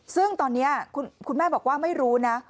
ซึ่งตอนนี้คุณแม่บอกว่าไม่รู้นะ